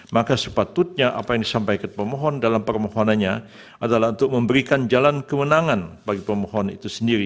maka sepatutnya apa yang disampaikan pemohon dalam permohonannya adalah untuk memberikan jalan kemenangan bagi pemohon itu sendiri